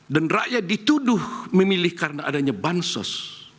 dan rakyat dituduh memilih karena adanya bansos